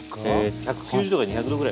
１９０℃２００℃ぐらい。